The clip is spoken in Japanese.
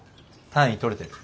単位取れてる？